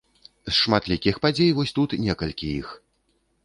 З шматлікіх падзей, вось тут некалькі іх.